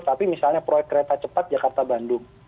tapi misalnya proyek kereta cepat jakarta bandung